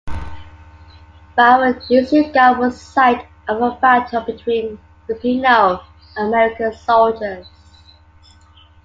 Barrio Isugan was site of a battle between Filipino and American soldiers.